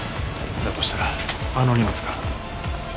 だとしたらあの荷物が。